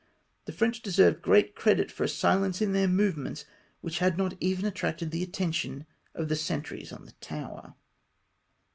The French deserved orreat credit for a silence in their movements which had not even attracted the attention of tlie sentries on the tower.